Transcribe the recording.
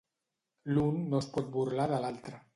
L'un no es pot burlar de l'altre.